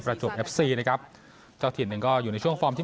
ประจวบเอฟซีนะครับเจ้าถิ่นหนึ่งก็อยู่ในช่วงฟอร์มที่